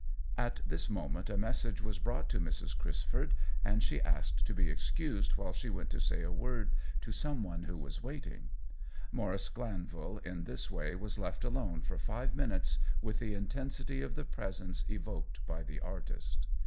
At this moment a message was brought to Mrs. Crisford, and she asked to be ex cused while she went to say a word to some one who was waiting. Maurice Glan vil in this way was left alone for five min utes with the intensity of the presence evoked by the artist.